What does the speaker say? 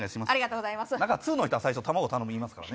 通の人は最初たまご頼みますからね。